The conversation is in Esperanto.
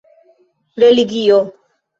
religio